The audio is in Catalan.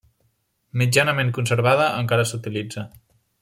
Mitjanament conservada, encara s'utilitza.